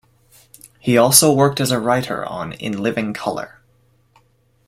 He also worked as a writer on "In Living Color".